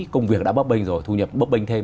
công việc đã bấp bênh rồi thu nhập bấp bênh thêm